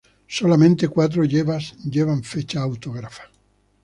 Solamente cuatro llevan fechas autógrafas.